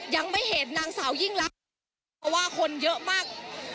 ยังไม่เห็นนางสาวยิ่งรักเพราะว่าคนเยอะมาก